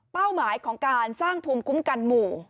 หมายของการสร้างภูมิคุ้มกันหมู่